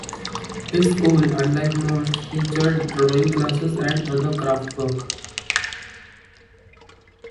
This school, unlike most, featured drawing classes and other craftwork.